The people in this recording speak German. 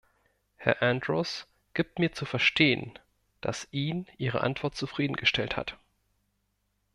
Herr Andrews gibt mir zu verstehen, dass ihn Ihre Antwort zufriedengestellt hat.